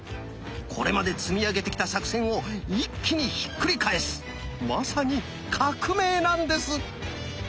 これまで積み上げてきた作戦を一気にひっくり返すまさに「革命」なんです！